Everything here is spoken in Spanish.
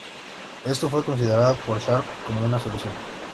Esto fue considerado por Sharp como una solución.